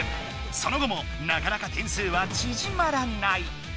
その後もなかなか点数はちぢまらない。